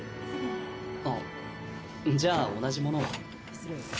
あっじゃあ同じものを。